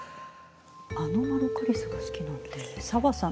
アノマロカリスが好きなんて紗和さん